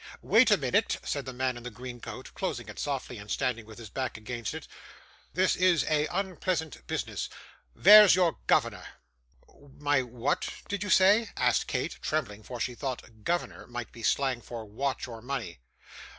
'Wait a minnit,' said the man in the green coat, closing it softly, and standing with his back against it. 'This is a unpleasant bisness. Vere's your govvernor?' 'My what did you say?' asked Kate, trembling; for she thought 'governor' might be slang for watch or money.